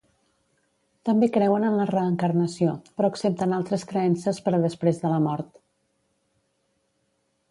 També creuen en la reencarnació, però accepten altres creences per a després de la mort.